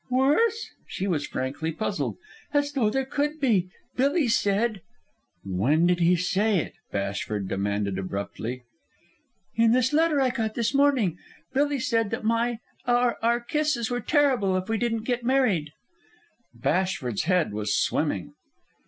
"Worse?" She was frankly puzzled. "As though there could be! Billy said " "When did he say it?" Bashford demanded abruptly. "In his letter I got this morning. Billy said that my... our... our kisses were terrible if we didn't get married." Bashford's head was swimming.